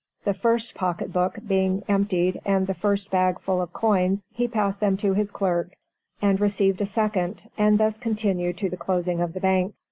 The first pocket book being emptied and the first bag full of coins, he passed them to his clerk, and received a second, and thus continued to the closing of the bank.